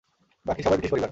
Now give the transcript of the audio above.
বাকী সবাই ব্রিটিশ পরিবার।